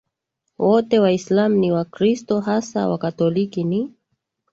wote Waislamu ni Wakristo hasa Wakatoliki ni